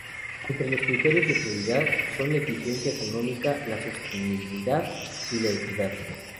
Entre los criterios de prioridad son la eficiencia económica, la sostenibilidad y la equidad.